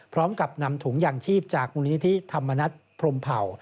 พร้อมกับนำถุงยางชีพจากมูลนิธิธรรมนัฐพรมเผ่า